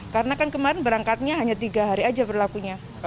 karena kan kemarin berangkatnya hanya tiga hari aja berlakunya